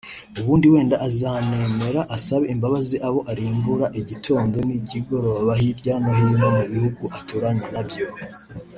ubundi wenda azanemera asabe imbabazi abo arimbura igitondo n’ikigoroba hirya no hino mu bihugu aturanye nabyo